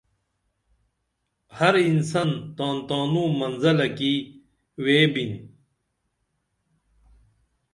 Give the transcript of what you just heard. ہر انسن تان تانوں منزلہ کی ویبِن